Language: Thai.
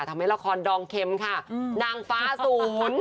ทำให้ละครดองเข็มค่ะนางฟ้าศูนย์